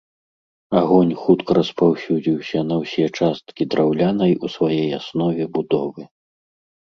Агонь хутка распаўсюдзіўся на ўсе часткі драўлянай у сваёй аснове будовы.